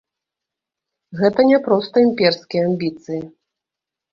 Гэта не проста імперскія амбіцыі.